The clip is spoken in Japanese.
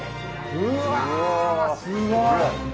うわぁすごい！